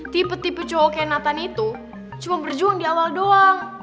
tipe tipe cowok ke nathan itu cuma berjuang di awal doang